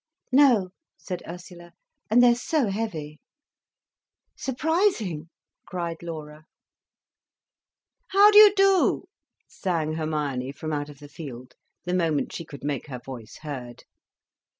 "No," said Ursula. "And they're so heavy." "Surprising!" cried Laura. "How do you do," sang Hermione, from out of the field, the moment she could make her voice heard.